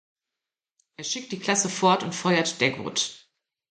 Er schickt die Klasse fort und feuert Dagwood.